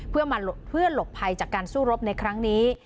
เพื่อหลบภัยจากการสู้รบในครั้งนี้